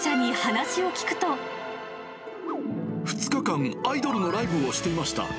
２日間、アイドルのライブをしていました。